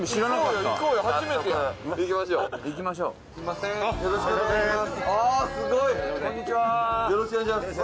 よろしくお願いします